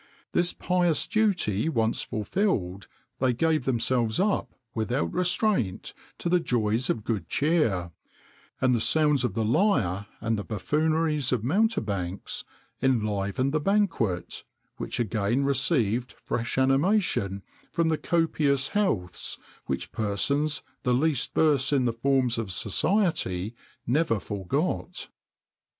[XXIX 57] This pious duty once fulfilled, they gave themselves up without restraint, to the joys of good cheer; and the sounds of the lyre and the buffooneries of mountebanks enlivened the banquet,[XXIX 58] which again received fresh animation from the copious healths, which persons the least versed in the forms of society never forgot.